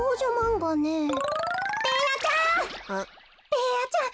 ベーヤちゃん